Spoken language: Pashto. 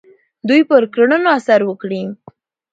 دوی پر کړنو اثر وکړي.